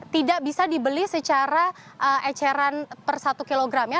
tidak bisa dibeli secara eceran per satu kilogramnya